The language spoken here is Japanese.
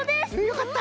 よかった。